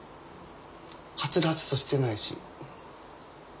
はつらつとしてないし。